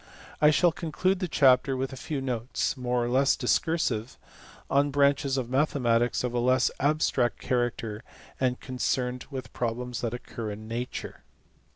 I shall conclude the chapter with a few notes more or less discursive on branches of mathematics of a less abstract character and concerned with problems that occur in nature.